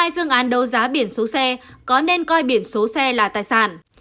phương án đấu giá biển số xe có nên coi biển số xe là tài sản